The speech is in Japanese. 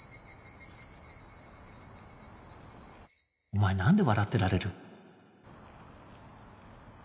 お前何で笑ってられる？